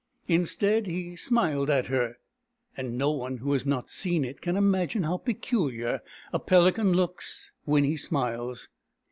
Instead, he smiled at her ; and no one who has not seen it can imagine how pecuUar a pelican looks when he smiles.